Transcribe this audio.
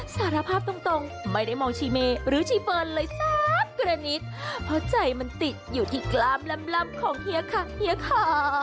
สารภาพตรงไม่ได้มองชีเมหรือชีเฟิร์นเลยสักกระนิดเพราะใจมันติดอยู่ที่กล้ามลำของเฮียค่ะเฮียค่ะ